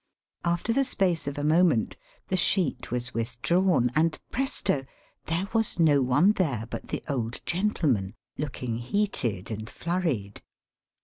After the space of a moment the sheet was withdrawn, and presto ! there was no one. there but the old gentleman, looking heated and flurried.